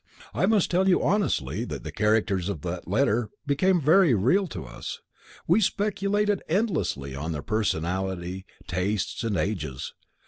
I must tell you honestly that the characters of that letter became very real to us. We speculated endlessly on their personalities, tastes, and ages.